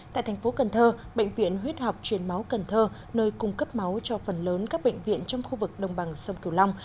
tại thành phố cần thơ bệnh viện huyết học truyền máu cần thơ nơi cung cấp máu cho phần lớn các bệnh viện trong khu vực đồng bằng sông kiều long